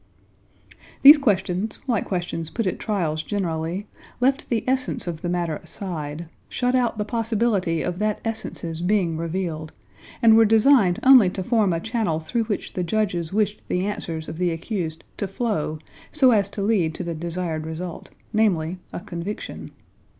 These questions, like questions put at trials generally, left the essence of the matter aside, shut out the possibility of that essence's being revealed, and were designed only to form a channel through which the judges wished the answers of the accused to flow so as to lead to the desired result, namely a conviction.